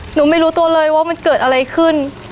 หนูไม่รู้ตัวเลยว่ามันเกิดอะไรขึ้น